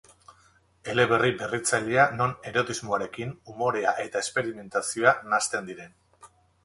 Eleberri berritzailea non erotismoarekin, umorea eta esperimentazioa nahasten diren.